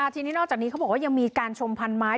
ทีนี้นอกจากนี้เขาบอกว่ายังมีการชมพันไม้